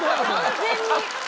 完全に！